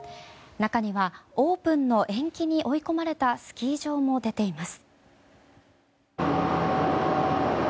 中には、オープンの延期に追い込まれたスキー場も出ています。